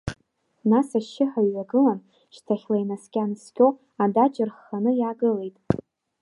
Нас ашьшьыҳәа иҩагылан, шьҭахьла инаскьа-наскьо, адаҷ рхханы иаагылеит.